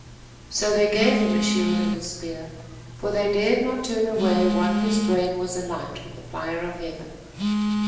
So they gave him a shield and a spear, for they dared not turn away one whose brain was alight with the fire of Heaven.